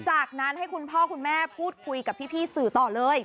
จากนั้นให้คุณพ่อคุณแม่พูดคุยกับพี่สื่อต่อเลย